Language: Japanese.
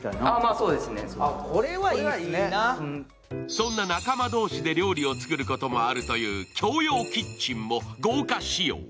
そんな仲間同士で料理を作ることもあるという、共用キッチンも豪華仕様。